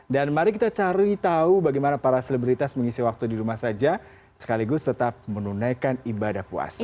dan mari kita cari tahu bagaimana para selebritas mengisi waktu di rumah saja sekaligus tetap menunaikan ibadah puasa